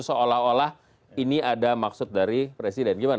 seolah olah ini ada maksud dari presiden gimana